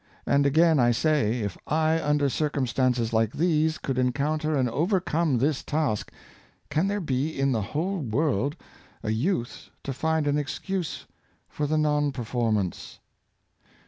And again I say, if I, under circumstances like these, could encounter and overcome this task, can there be, in the whole world, a youth to find an excuse for the non performance?